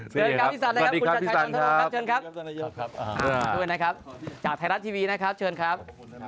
สวัสดีครับสุธารัชทีวีนะครับ